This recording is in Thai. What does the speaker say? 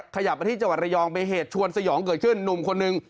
ขยับมาที่จังหวัดระยองมีเหตุชวนสยองเกิดขึ้นหนุ่มคนนึง